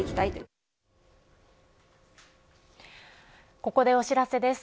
ここで、お知らせです。